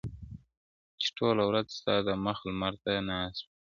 چي ټوله ورځ ستا د مخ لمر ته ناست وي~